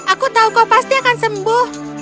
aku tahu kau pasti akan sembuh